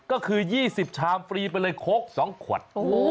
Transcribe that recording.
ก็คือ๒๐ชามฟรีไปเลยโค้ก๒ขวด